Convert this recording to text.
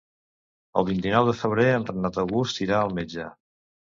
El vint-i-nou de febrer en Renat August irà al metge.